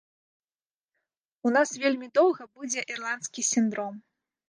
У нас вельмі доўга будзе ірландскі сіндром.